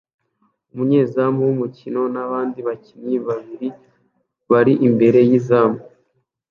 Umunyezamu wumukino nabandi bakinnyi babiri bari imbere yizamu